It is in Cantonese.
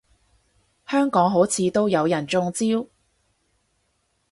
香港好似都有人中招